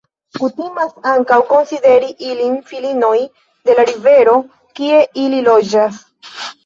Kutimas ankaŭ konsideri ilin filinoj de la rivero kie ili loĝas.